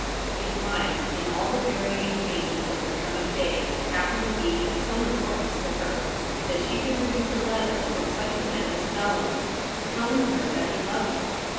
It might in all the varying changes of the coming days happen to be of some importance to her LITER A SCRIPT A. 247 that she could produce a letter from such a man as Bellarmin, telling her that he loved her.